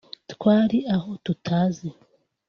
twari aho tutazi